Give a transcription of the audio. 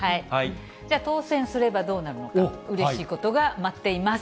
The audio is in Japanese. じゃあ当せんすればどうなるのか、うれしいことが待っています。